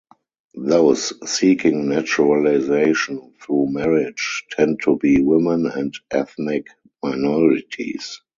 Those seeking naturalization through marriage tend to be women and ethnic minorities.